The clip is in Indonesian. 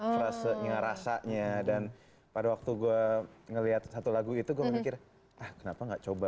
frase ngerasanya dan pada waktu gue ngelihat satu lagu itu gue mikir ah kenapa nggak coba